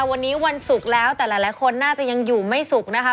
วันนี้วันศุกร์แล้วแต่หลายคนน่าจะยังอยู่ไม่สุขนะคะ